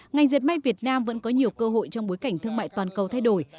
ngành diệt may việt nam vẫn có nhiều cơ hội trong bối cảnh thương mại toàn cầu thay đổi